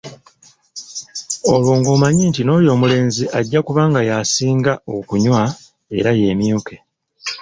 Olwo ng'omanya nti n'oyo omulenzi ajja kuba nga yasinga okunywa era yeemyuke.